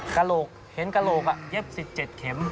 กระโหลกเห็นกระโหลกเย็บ๑๗เข็ม